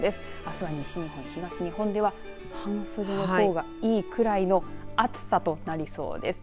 あすは西日本、東日本では半袖のほうがいいくらいの暑さとなりそうです。